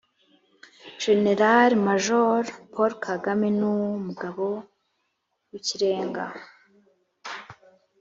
generari majoro paul kagame numugabo wikirenga.